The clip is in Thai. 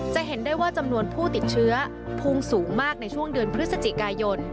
จะเห็นได้ว่าจำนวนผู้ติดเชื้อพุ่งสูงมากในช่วงเดือนพฤศจิกายน